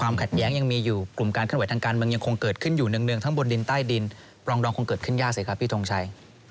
มันยังคงเกิดขึ้นอยู่เนื่องทั้งบนดินใต้ดินปรองดองคงเกิดขึ้นยากสิครับพี่ทรงชัย